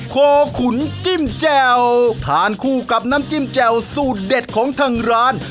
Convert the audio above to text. โคขุนจิ้มแจ่วทานคู่กับน้ำจิ้มแจ่วสูตรเด็ดของทางร้าน